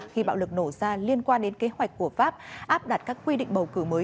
khi bạo lực nổ ra liên quan đến kế hoạch của pháp áp đặt các quy định bầu cử mới